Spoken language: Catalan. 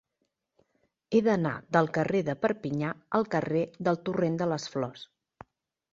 He d'anar del carrer de Perpinyà al carrer del Torrent de les Flors.